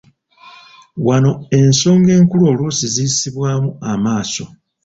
Wano ensonga enkulu oluusi ziyisibwamu amaaso.